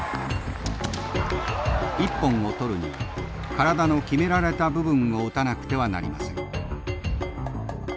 一本を取るには体の決められた部分を打たなくてはなりません。